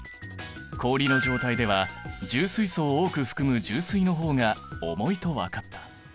氷の状態では重水素を多く含む重水の方が重いと分かった。